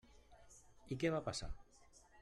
I què va passar?